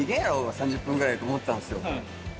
３０分くらいって思ってたんですよ。